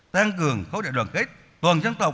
tăng cường khối đại đoàn kết toàn dân tộc